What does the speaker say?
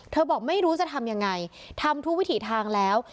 บอกไม่รู้จะทำยังไงทำทุกวิถีทางแล้ว